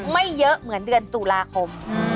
ไม่เยอะเหมือนเดือนตุลาคม